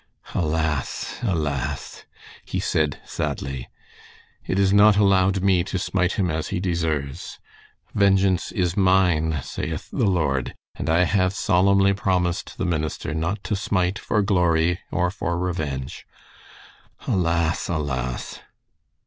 "Alas! alas!" he said, sadly, "it is not allowed me to smite him as he deserves 'Vengeance is mine saith the Lord,' and I have solemnly promised the minister not to smite for glory or for revenge! Alas! alas!"